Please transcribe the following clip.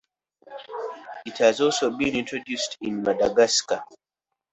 It has also been introduced in Madagascar.